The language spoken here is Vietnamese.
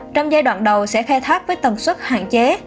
trong giai đoạn đầu sẽ khe thác với tầm xuất hạn chế